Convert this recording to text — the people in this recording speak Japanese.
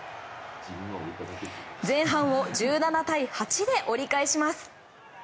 前半を１７対８で折り返します。